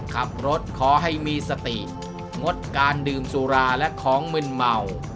ขอให้มีสติงดการดื่มสุราและของมึนเมา